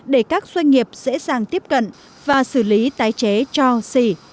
để các doanh nghiệp dễ dàng tiếp cận và xử lý tái chế cho xỉ